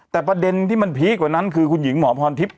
แต่ประเด็นที่มันพีคกว่านั้นคือคุณหญิงหมอพรทิพย